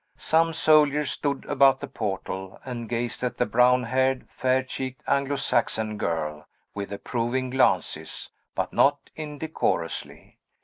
Some soldiers stood about the portal, and gazed at the brown haired, fair cheeked Anglo Saxon girl, with approving glances, but not indecorously.